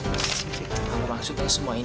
apa maksudnya semua ini